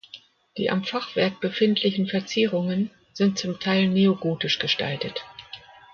Die am Fachwerk befindlichen Verzierungen sind zum Teil neogotisch gestaltet.